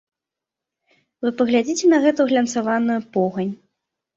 Вы паглядзіце на гэтую глянцаваную погань.